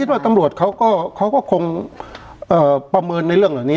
ว่าตำรวจเขาก็คงประเมินในเรื่องเหล่านี้